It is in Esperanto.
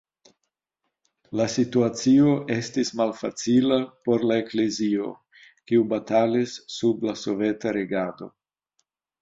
La situacio estis malfacila por la eklezio, kiu batalis sub la soveta regado.